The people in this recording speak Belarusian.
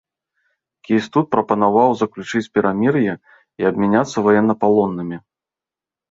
Кейстут прапанаваў заключыць перамір'е і абмяняцца ваеннапалоннымі.